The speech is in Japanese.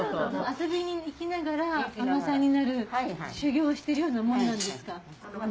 遊びに行きながら海女さんになる修業してるようなもんなんですか。